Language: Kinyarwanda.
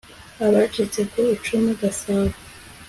Abacitse ku icumu Gasabo